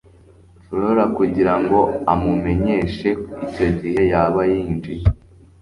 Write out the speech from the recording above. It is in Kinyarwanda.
flora kugirango amumenyeshe icyo igihe yaba yinjiye